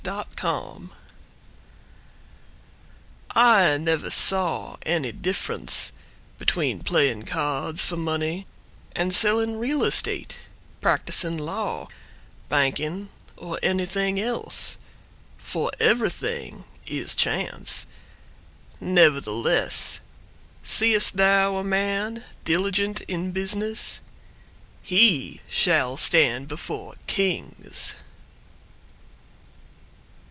"Ace" Shaw I never saw any difference Between playing cards for money And selling real estate, Practicing law, banking, or anything else. For everything is chance. Nevertheless Seest thou a man diligent in business? He shall stand before Kings!